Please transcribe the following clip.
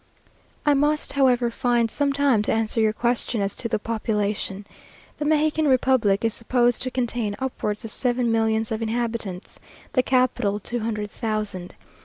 I must, however, find time to answer your question as to the population. The Mexican republic is supposed to contain upwards of seven millions of inhabitants; the capital, two hundred thousand.